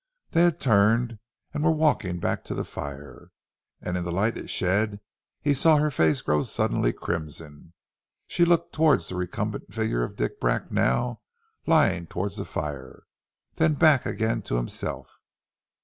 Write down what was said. They had turned and were walking back to the fire, and in the light it shed he saw her face grow suddenly crimson. She looked towards the recumbent figure of Dick Bracknell, lying towards the fire, then back again to himself.